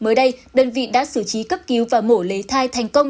mới đây đơn vị đã xử trí cấp cứu và mổ lấy thai thành công